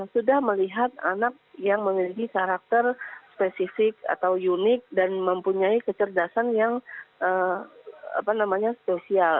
sudah melihat anak yang memiliki karakter spesifik atau unik dan mempunyai kecerdasan yang spesial